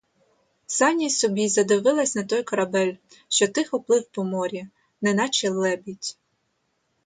Саня й собі задивилась на той корабель, що тихо плив по морі, неначе лебідь.